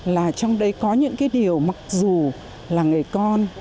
là trong đây có những điều mặc dù là người con